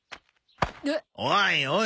おいおい